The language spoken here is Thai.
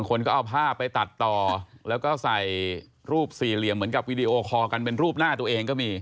คนก็เอาผ้าไปตัดต่อแล้วก็ใส่รูปสี่เหลี่ยมเหมือนกับวีดีโอคอลกันเป็นรูปหน้าตัวเองก็มี